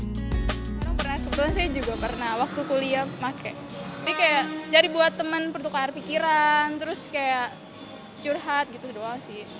orang pernah kebetulan saya juga pernah waktu kuliah pakai jadi buat teman pertukar pikiran terus curhat gitu doang sih